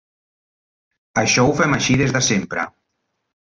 Això ho fem així des de sempre.